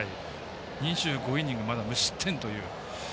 ２５イニングまだ無失点という。